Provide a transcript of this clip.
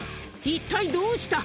一体どうした？